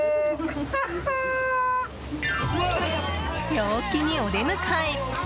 陽気にお出迎え。